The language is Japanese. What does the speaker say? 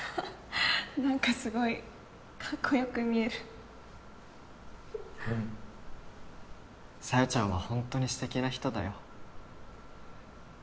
何かすごいカッコよく見えるうん小夜ちゃんはホントにステキな人だよ